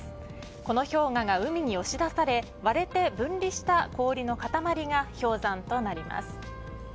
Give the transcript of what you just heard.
この氷河が海に押し出され割れて分離した氷の塊が氷山となります。